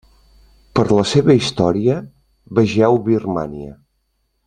Per la seva història vegeu Birmània.